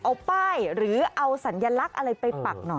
เอาป้ายหรือเอาสัญลักษณ์อะไรไปปักหน่อย